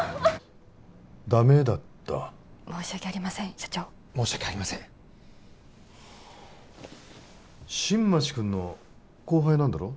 ダメだった申し訳ありません社長申し訳ありません新町くんの後輩なんだろ？